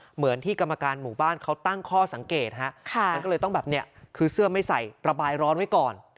เหมือนที่กรรมการหมู่บ้านเขาตั้งข้อสังเกตฮะมันก็เลยต้องแบบเนี่ยคือเสื้อไม่ใส่ระบายร้อนไว้ก่อน